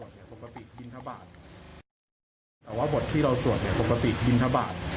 แต่ว่าบทที่เราสวดปกติย้ำทะบาท